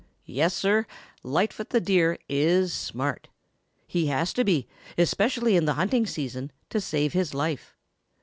Yes, Sir, Lightfoot the Deer is smart. He has to be, especially in the hunting season, to save his life.